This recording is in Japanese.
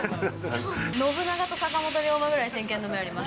信長と坂本龍馬ぐらい先見の明あります。